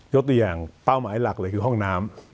ตัวอย่างเป้าหมายหลักเลยคือห้องน้ำ